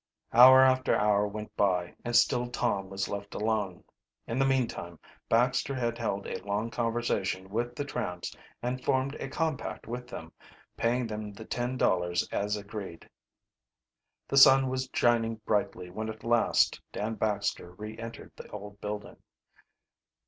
Hour after hour went by and still Tom was left alone. In the meantime Baxter had held a long conversation with the tramps and had formed a compact with them, paying them the ten dollars as agreed. The sun was shining brightly when at last Dan Baxter re entered the old building.